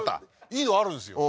いいのあるんですよ